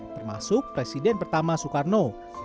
termasuk presiden pertama soekarno